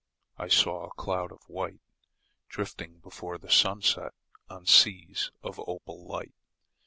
. I saw a cloud of white Drifting before the sunset On seas of opal light.